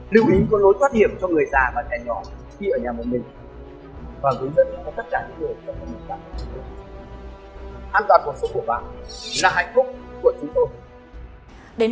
lưu ý có lối thoát hiểm cho người già và trẻ nhỏ khi ở nhà một mình